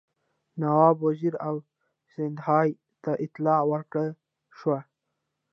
نواب وزیر او سیندهیا ته اطلاع ورکړه شوه.